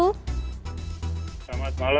selamat malam mbak